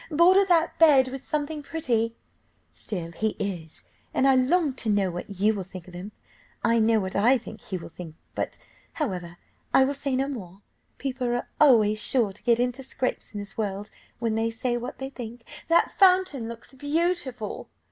['Border that bed with something pretty.'] Still he is, and I long to know what you will think of him; I know what I think he will think, but, however, I will say no more; people are always sure to get into scrapes in this world, when they say what they think. ['That fountain looks beautiful.